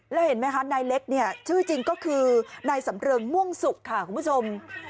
แล้วเห็นไหมคะนายเล็กเนี่ยชื่อจริงก็คือนายสำเริงม่วงสุกค่ะคุณผู้ชม